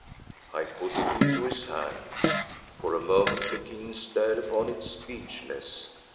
‚ÄĚ I put it into his hand. For a moment the king stared upon it speechless.